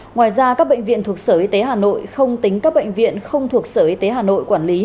ngoài ra các bệnh viện thuộc sở y tế hà nội không tính các bệnh viện không thuộc sở y tế hà nội quản lý